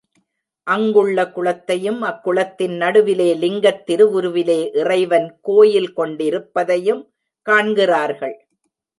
அங்குள்ள குளத்தையும் அக்குளத்தின் நடுவிலே லிங்கத் திருவுருவிலே இறைவன் கோயில் கொண்டிருப்பதையும் காண்கிறார்கள்.